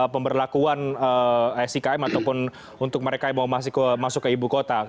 pemberlakuan sikm ataupun untuk mereka yang mau masuk ke ibu kota